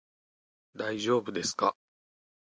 大丈夫ですか？